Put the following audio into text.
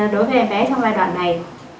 đối với em bé trong giai đoạn này